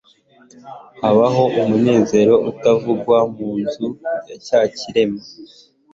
Habaho umunezero utavugwa mu nzu ya cya kirema,